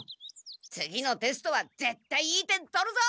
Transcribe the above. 次のテストはぜったいいい点取るぞ！